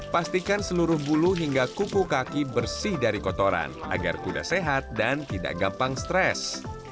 pastikan seluruh bulu hingga kupu kaki bersih dari kotoran agar kuda sehat dan tidak gampang stres